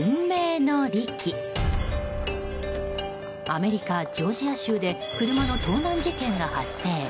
アメリカ・ジョージア州で車の盗難事件が発生。